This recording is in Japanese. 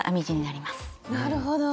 なるほど。